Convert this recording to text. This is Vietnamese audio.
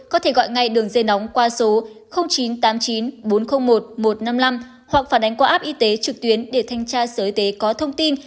có thể gọi ngay đường dây nóng qua số chín trăm tám mươi chín bốn trăm linh một một trăm năm mươi năm hoặc phản ánh qua app y tế trực tuyến để thanh tra sở y tế có thông tin